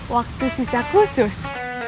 waktu sisa khusus